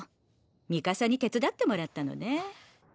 ミカサに手伝ってもらったのね。